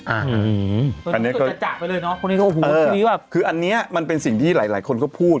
อ่าอืมอันนี้ก็จะจากไปเลยเนอะคนที่เขาอืมคืออันนี้แบบคืออันนี้มันเป็นสิ่งที่หลายหลายคนเขาพูด